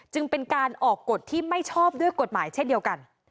จึงเป็นการออกกฎที่ไม่ชอบด้วยกฎหมายเช่นเดียวกัน